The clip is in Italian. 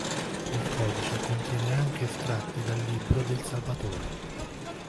Il codice contiene anche estratti dal "Libro del Salvatore".